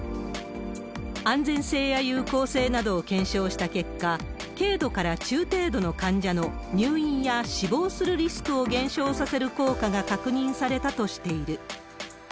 安全性や有効性などを検証した結果、軽度から中程度の患者の入院や死亡するリスクを減少させる効果が確認されたとしている。